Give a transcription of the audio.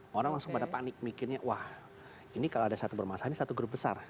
orang langsung pada panik mikirnya wah ini kalau ada satu bermasalah ini satu grup besar